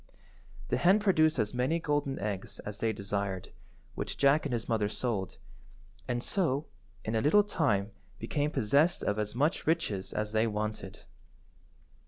The hen produced as many golden eggs as they desired, which Jack and his mother sold, and so in a little time became possessed of as much riches as they wanted.